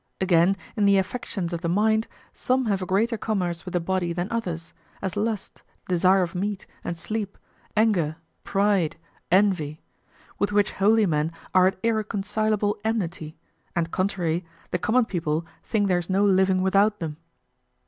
Again, in the affections of the mind, some have a greater commerce with the body than others, as lust, desire of meat and sleep, anger, pride, envy; with which holy men are at irreconcilable enmity, and contrary, the common people think there's no living without them.